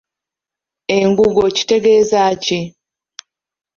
Engugo kitegeeza ki?